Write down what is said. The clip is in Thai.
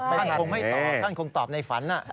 ท่านคงไม่ตอบท่านคงตอบในฝัน